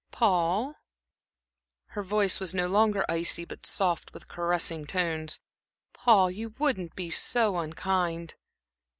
"Paul?" Her voice was no longer icy, but soft, with caressing tones. "Paul, you wouldn't be so unkind?"